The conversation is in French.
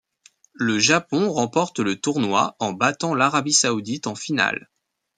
Le Japon remporte le tournoi en battant l'Arabie saoudite en finale.